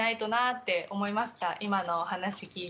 今のお話聞いて。